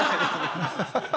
ハハハハ。